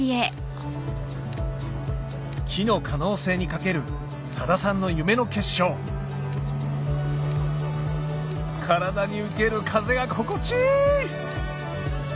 木の可能性に懸ける佐田さんの夢の結晶体に受ける風が心地いい！